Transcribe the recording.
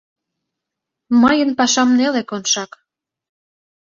— Мыйын пашам неле, Коншак.